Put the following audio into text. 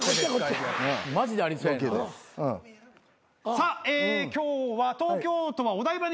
さあ今日は東京都はお台場に来ております。